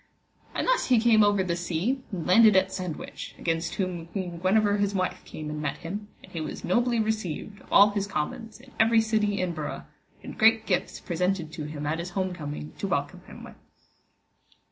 And thus he came over the sea and landed at Sandwich, against whom Queen Guenever his wife came and met him, and he was nobly received of all his commons in every city and burgh, and great gifts presented to him at his home coming to welcome him with.